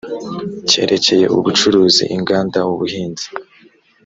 cyerekeye ubucuruzi inganda ubuhinzi